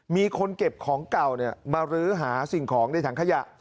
มีคนเก็บของเก่ามารื้อหาสิ่งของในถังขยะ